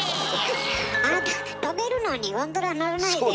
あなた飛べるのにゴンドラ乗らないでよ。